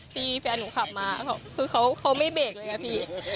ที่แฟนหนูขับมาคือเขาไม่เบรกเลยอะพี่